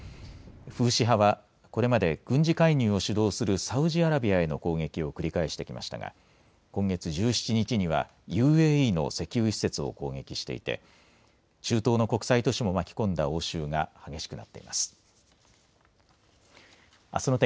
フーシ派はこれまで軍事介入を主導するサウジアラビアへの攻撃を繰り返してきましたが今月１７日にはＵＡＥの石油施設を攻撃していて中東の国際都市も巻き込んだ応酬が激しくなっています。